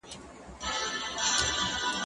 زه به اوږده موده د ښوونځی لپاره تياری کړی وم؟